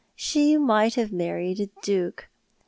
" She might have married a Duke.